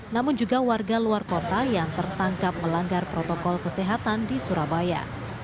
namun juga warga luar kota yang tertangkap melanggar protokol kesehatan di surabaya